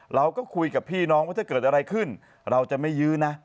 เราก็คุยกับพี่น้องว่าถ้าเกิดอะไรขึ้นเราจะไม่ยื้อนะ